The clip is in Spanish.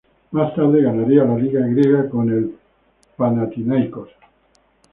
Más tarde, ganaría la liga griega con el Panathinaikos.